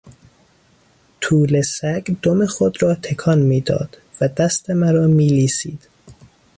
توله سگ دم خود را تکان میداد و دست مرا میلیسید.